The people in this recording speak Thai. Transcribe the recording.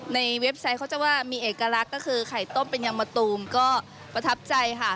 เว็บไซต์เขาจะว่ามีเอกลักษณ์ก็คือไข่ต้มเป็นยางมะตูมก็ประทับใจค่ะ